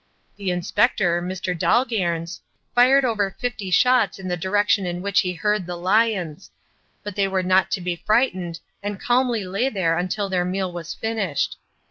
The Inspector, Mr. Dalgairns, fired over fifty shots in the direction in which he heard the lions, but they were not to be frightened and calmly lay there until their meal was finished.